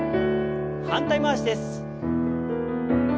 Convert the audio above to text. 反対回しです。